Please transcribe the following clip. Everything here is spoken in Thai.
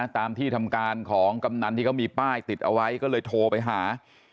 ตามที่ทำการของกำนันที่เขามีป้ายติดเอาไว้ก็เลยโทรไปหา